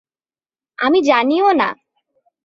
আমি জানিও না।